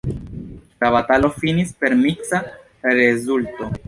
La batalo finis per miksa rezulto.